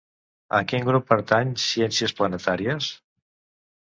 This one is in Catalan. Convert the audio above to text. A quin grup pertany Ciències Planetàries?